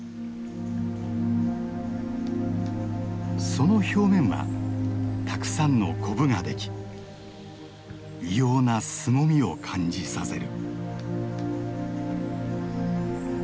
その表面はたくさんのコブができ異様なすごみを感じさせる。